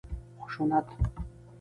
خشونت